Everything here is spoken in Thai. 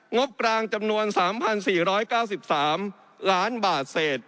งบกลางจำนวน๓๔๙๓ล้านบาทเศษ